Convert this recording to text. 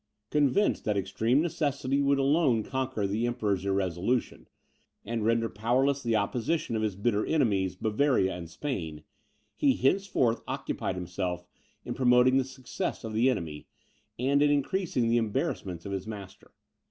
Convinced that extreme necessity would alone conquer the Emperor's irresolution, and render powerless the opposition of his bitter enemies, Bavaria and Spain, he henceforth occupied himself in promoting the success of the enemy, and in increasing the embarrassments of his master.